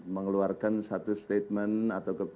mengeluarkan satu statement atau